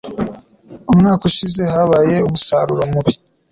Umwaka ushize, habaye umusaruro mubi.